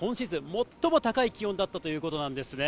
最も高い気温だったということなんですね。